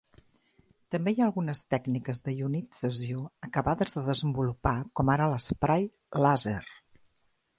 També hi ha algunes tècniques d'ionització acabades de desenvolupar com ara l'esprai làser.